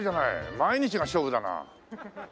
毎日が勝負だな。